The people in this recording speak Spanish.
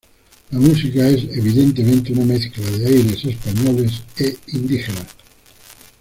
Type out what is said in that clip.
La música es, evidentemente, una mezcla de aires españoles e indígenas.